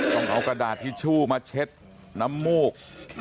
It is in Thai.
ต้องเอากระดาษทิชชู่มาเช็ดน้ำมูก